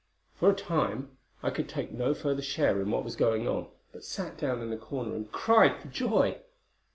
For a time I could take no further share in what was going on, but sat down in a corner, and cried for joy.